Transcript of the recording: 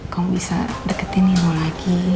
kamu bisa deketin nino lagi